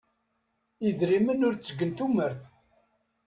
Idrimen ur ttegen tumert.